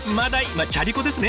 まあチャリコですね。